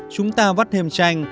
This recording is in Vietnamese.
chúng ta vắt thêm chanh